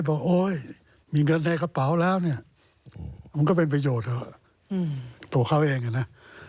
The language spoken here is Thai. โอ๊ยมีเงินในกระเป๋าแล้วเนี่ยมันก็เป็นประโยชน์เถอะตัวเขาเองอ่ะนะ